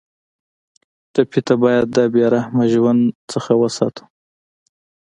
ټپي ته باید د بې رحمه ژوند نه وساتو.